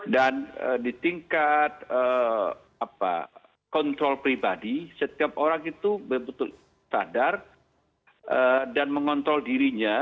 dan di tingkat kontrol pribadi setiap orang itu betul betul sadar dan mengontrol dirinya